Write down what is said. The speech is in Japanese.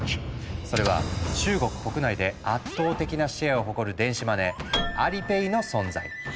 それは中国国内で圧倒的なシェアを誇る電子マネー「Ａｌｉｐａｙ」の存在。